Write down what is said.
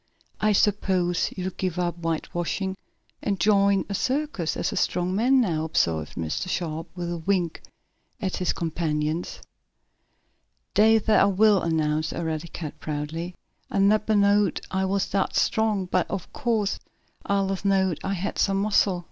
"I suppose you'll give up whitewashing and join a circus as a strong man, now," observed Mr. Sharp, with a wink at his companions. "Days what I will!" announced Eradicate proudly. "I neber knowed I was dat strong, but ob course I allers knowed I had some muscle.